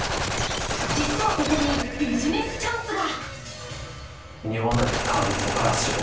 実はここにビジネスチャンスが！